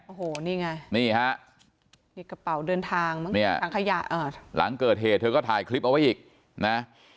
โอ้โหนี่ไงนี่ครับกระเป๋าเดินทางล้างเกิดเหตุเธอก็ถ่ายคลิปเอาไว้อีกนะ